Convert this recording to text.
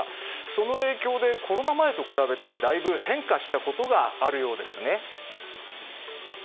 その影響でコロナ前と比べて、だいぶ変化したことがあるようですね。